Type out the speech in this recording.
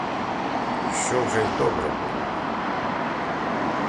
І що вже добре й було.